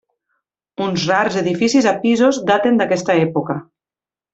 Uns rars edificis a pisos daten d'aquesta època.